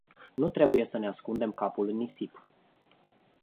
Nu trebuie să ne ascundem capul în nisip.